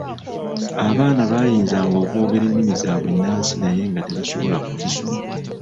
Abaana baayinzanga okwogera ennimi zaabwe ennansi naye nga tebasobola kuzisoma.